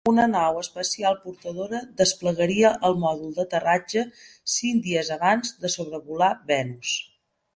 Una nau espacial portadora desplegaria el mòdul d'aterratge cinc dies abans de sobrevolar Venus.